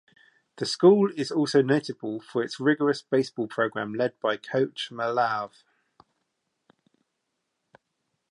The school is also notable for its rigorous baseball program led by Coach Malave.